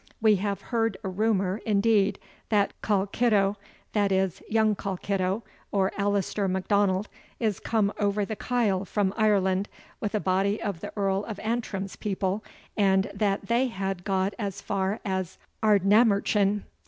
We have heard a rumour, indeed, that Colkitto that is, young Colkitto, or Alaster M'Donald, is come over the Kyle from Ireland, with a body of the Earl of Antrim's people, and that they had got as far as Ardnamurchan.